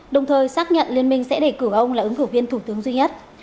đồng thời xác nhận liên minh sẽ đề cử ông là ứng cử viên thủ tướng duy nhất